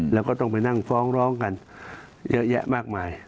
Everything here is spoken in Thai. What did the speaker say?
แล้วก็ต้องไปนั่งฟ้องร้องกันเยอะแยะมากมาย